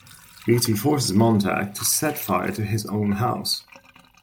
Beatty forces Montag to set fire to his own house.